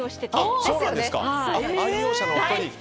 愛用者のお一人？